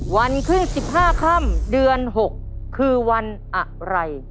วันขึ้น๑๕ค่ำเดือน๖คือวันอะไร